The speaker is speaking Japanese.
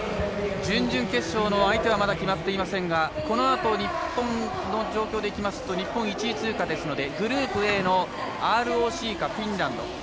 準々決勝の相手はまだ決まっていませんがこのあと日本の状況でいきますと日本１位通過ですのでグループＡのＲＯＣかフィンランド